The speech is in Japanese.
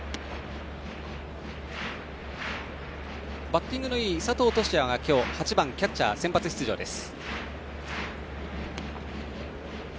バッティングのいい佐藤都志也が今日は８番キャッチャーで先発出場です。